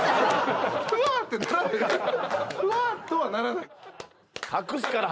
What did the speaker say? ふぁっとはならない。